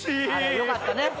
よかったね。